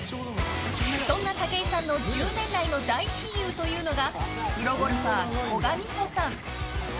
そんな武井さんの１０年来の大親友というのがプロゴルファー、古閑美保さん。